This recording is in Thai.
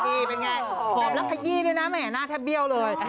นี่เป็นไงหอบแล้วขยี้ด้วยนะแม่หน้าแทบเบี้ยวเลย